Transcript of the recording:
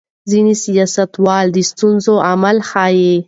ځینې سیاستوال د ستونزو عامل ښيي.